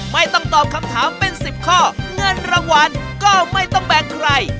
ไม่ต้องตอบคำถามเป็น๑๐ข้อเงินรางวัลก็ไม่ต้องแบ่งใคร